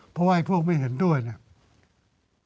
เพราะว่าไอ้พวกไม่เห็นด้วยเนี่ย